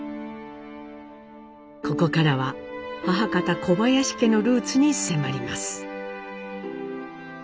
ここからは母方小林家のルーツに迫ります。